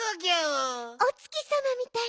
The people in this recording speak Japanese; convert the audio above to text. おつきさまみたいね。